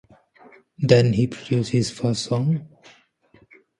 Then he produced his first song.